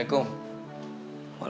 nah kayak gini